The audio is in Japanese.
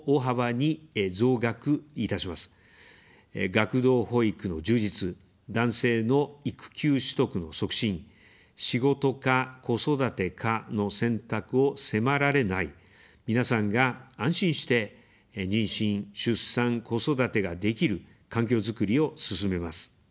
学童保育の充実、男性の育休取得の促進、「仕事か子育てか」の選択を迫られない、皆さんが安心して妊娠、出産、子育てができる環境づくりを進めます。